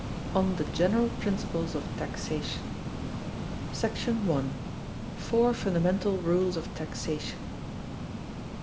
On The General Principles Of Taxation. § 1. Four fundamental rules of Taxation.